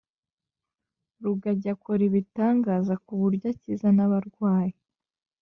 Rugagi ngo akora ibitangaza kuburya akiza n’abarwayi